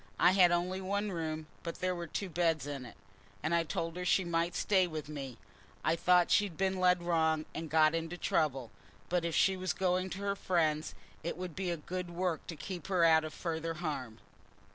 I had only one room, but there were two beds in it, and I told her she might stay with me. I thought she'd been led wrong, and got into trouble, but if she was going to her friends, it would be a good work to keep her out of further harm."